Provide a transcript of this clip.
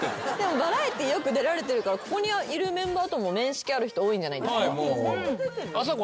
バラエティーよく出られてるからここにいるメンバーとも面識ある人多いんじゃないですか？